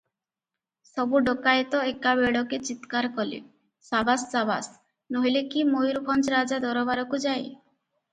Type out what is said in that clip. ସବୁ ଡକାଏତ ଏକାବେଳକେ ଚିତ୍କାର କଲେ, "ସାବାସ ସାବାସ, ନୋହିଲେ କି ମୟୂରଭଞ୍ଜ ରାଜା ଦରବାରକୁ ଯାଏ ।"